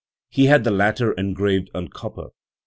He had the latter engraved on copper.